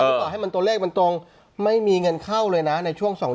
คือต่อให้มันตัวเลขมันตรงไม่มีเงินเข้าเลยนะในช่วง๒๐๐